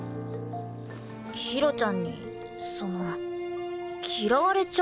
ひろちゃんにその嫌われちゃうかも。